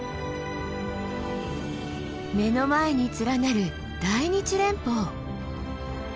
目の前に連なる大日連峰。